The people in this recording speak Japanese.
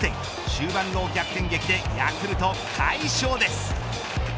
終盤の逆転劇でヤクルト快勝です。